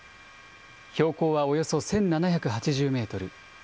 標高はおよそ１７８０メートル。